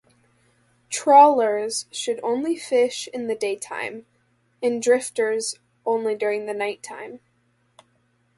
Trawlers should fish only in the daytime, and drifters only during the nighttime.